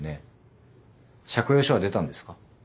借用書は出たんですか？